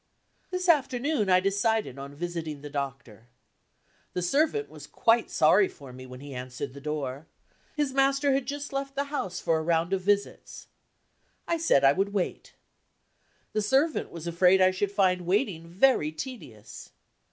This afternoon, I decided on visiting the doctor. The servant was quite sorry for me when he answered the door. His master had just left the house for a round of visits. I said I would wait. The servant was afraid I should find waiting very tedious.